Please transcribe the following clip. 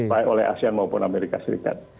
baik oleh asean maupun amerika serikat